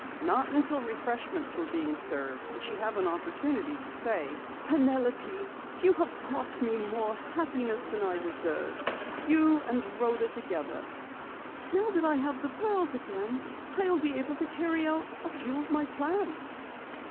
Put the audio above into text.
Not until refreshments were being served did she have an opportunity to say: "Penelope, you have brought me more happiness than I deserve you and Rhoda together. Now that I have the pearls again, I'll be able to carry out a few of my plans."